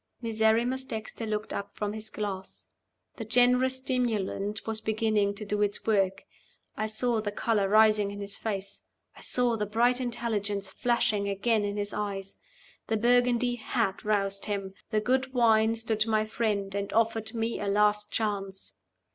Miserrimus Dexter looked up from his glass. The generous stimulant was beginning to do its work. I saw the color rising in his face. I saw the bright intelligence flashing again in his eyes. The Burgundy had roused him! The good wine stood my friend, and offered me a last chance!